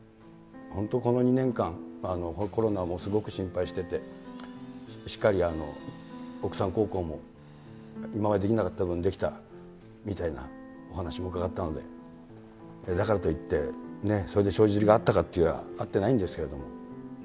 本当この２年間、コロナもすごく心配してて、しっかり奥さん孝行も、今までできなかった分できたみたいなお話も伺ったので、だからといって、それで帳尻が合ったかっていったら、合ってないんですけど。